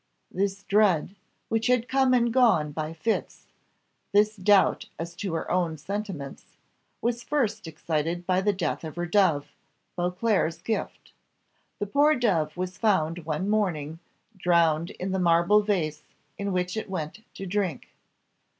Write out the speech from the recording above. This dread, which had come and gone by fits, this doubt as to her own sentiments, was first excited by the death of her dove Beauclerc's gift. The poor dove was found one morning drowned in the marble vase in which it went to drink.